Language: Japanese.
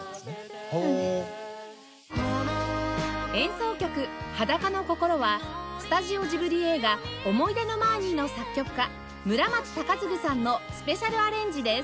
演奏曲『裸の心』はスタジオジブリ映画『思い出のマーニー』の作曲家村松崇継さんのスペシャルアレンジです